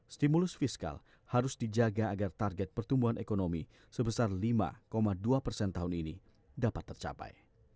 stimulus fiskal harus dijaga agar target pertumbuhan ekonomi sebesar lima dua persen tahun ini dapat tercapai